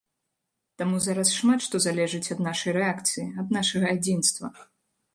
Таму зараз шмат што залежыць ад нашай рэакцыі, ад нашага адзінства.